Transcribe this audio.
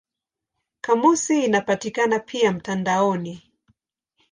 Kamusi inapatikana pia mtandaoni.